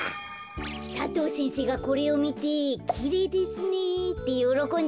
佐藤先生がこれをみて「きれいですね」ってよろこんでたんだ。